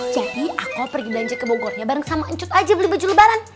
aku pergi belanja ke bogornya bareng sama encut aja beli baju lebaran